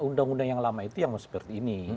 undang undang yang lama itu yang mau seperti ini